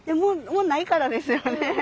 もうないからですよね？